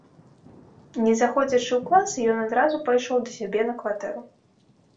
Не заходзячы ў класы, ён адразу пайшоў да сябе на кватэру.